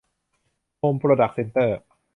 โฮม โปรดักส์ เซ็นเตอร์